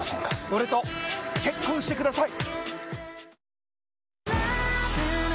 俺と結婚してください。